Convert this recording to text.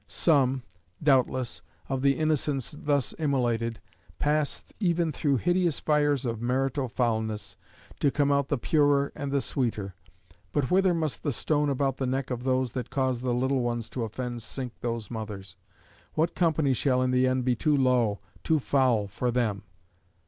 Some, doubtless, of the innocents thus immolated pass even through hideous fires of marital foulness to come out the purer and the sweeter; but whither must the stone about the neck of those that cause the little ones to offend sink those mothers? What company shall in the end be too low, too foul for them?